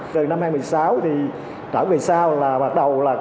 từ năm hai nghìn một mươi sáu trở về sau là bắt đầu